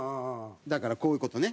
だからこういう事ね。